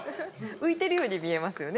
浮いてるように見えますよね。